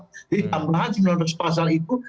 jadi tambahan sembilan belas pasal itu